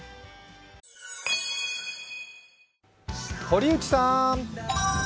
堀内さーん。